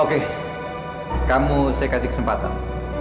oke kamu saya kasih kesempatan